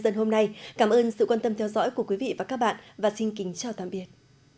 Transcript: dân hôm nay cảm ơn sự quan tâm theo dõi của quý vị và các bạn và xin kính chào tạm biệt